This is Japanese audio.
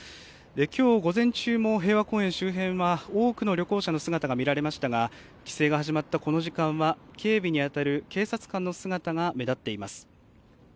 きょう午前中も平和公園周辺は多くの旅行者の姿が見られましたが規制が始まったこの時間は警備に当たる警察官の姿が目立っています。